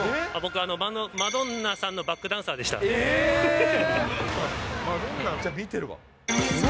僕はマドンナさんのバックダえっ！